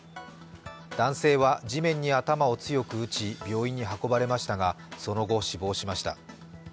男性は地面に頭を強く打ち病院に運ばれましたがその後、死亡しました。